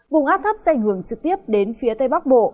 vùng áp thấp sẽ hướng trực tiếp đến phía tây bắc bộ